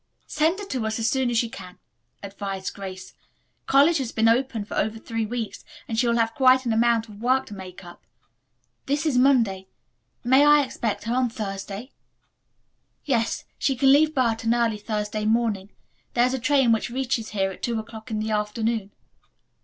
"Send her to us as soon as you can," advised Grace. "College has been open for over three weeks and she will have quite an amount of work to make up. This is Monday. May I expect her on Thursday?" "Yes, she can leave Burton early Thursday morning. There is a train which reaches here at two o'clock in the afternoon."